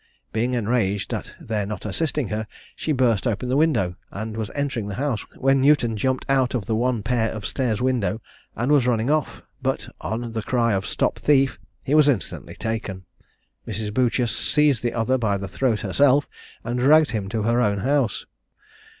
Being enraged at their not assisting her, she burst open the window, and was entering the house, when Newton jumped out of the one pair of stairs' window, and was running off; but, on the cry of "Stop thief!" he was instantly taken; Mrs. Boucher seized the other by the throat herself, and dragged him to her own house.